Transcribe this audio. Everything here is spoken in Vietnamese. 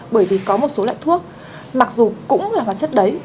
bởi vì có một số loại thuốc mặc dù cũng là hoạt chất đấy